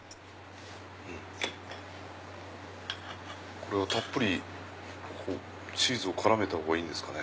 これはたっぷりチーズを絡めたほうがいいんですかね。